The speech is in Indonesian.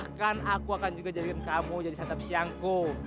bahkan aku akan juga jadikan kamu jadi santap siangku